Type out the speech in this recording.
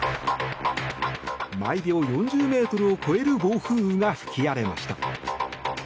毎秒４０ｍを超える暴風雨が吹き荒れました。